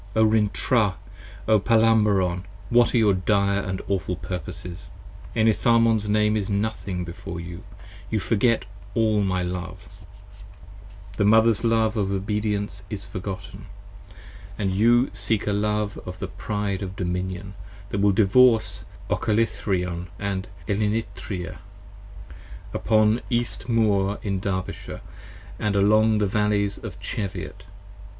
O Rintrah! O Palamabron! What are your dire & awful purposes? Enitharmon's name is nothing before you: you forget all my Love, The Mother's love of obedience is forgotten, & you seek a Love 5 Of the pride of dominion, that will Divorce Ocalythron & Elynittria, Upon East Moor in Derbyshire & along the Valleys of Cheviot.